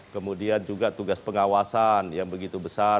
kemudian juga tugas pengawasan yang begitu besar